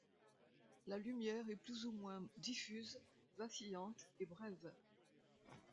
La lumière est plus ou moins diffuse, vacillante et brève.